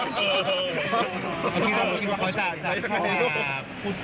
ไม่ค่ะระหว่างนั้นคุณฟ้าหรือว่าพี่สงการก็โทรโทรมาแล้วเราก็คุยกันปกติ